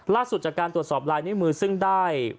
จากการตรวจสอบลายนิ้วมือซึ่งได้